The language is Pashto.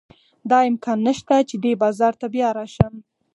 دا امکان نه شته چې دې بازار ته بیا راشم.